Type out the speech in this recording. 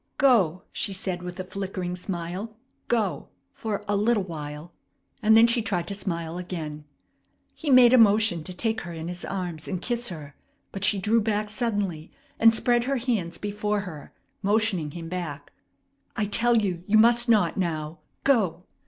"Go!" she said with a flickering smile. "Go! For a little while," and then she tried to smile again. He made a motion to take her in his arms and kiss her; but she drew back suddenly, and spread her hands before her, motioning him back. "I tell you you must not now. Go!